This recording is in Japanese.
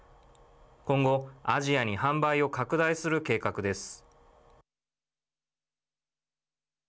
今後、アジアに販売を拡大する計画です。